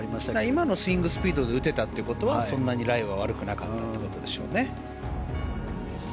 今のスイングスピードで打てたってことはそんなにライは悪くなかったってことでしょう。